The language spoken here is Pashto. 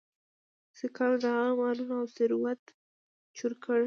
سیکهانو د هغه مالونه او ثروت چور کړ.